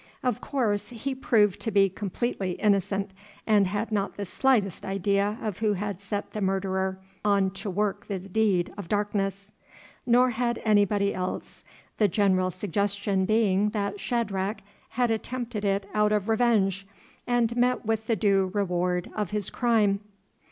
Of course, he proved to be completely innocent, and had not the slightest idea of who had set the murderer on to work this deed of darkness. Nor had anybody else, the general suggestion being that Shadrach had attempted it out of revenge, and met with the due reward of his crime.